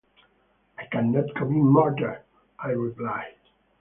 “I cannot commit murder,” I replied.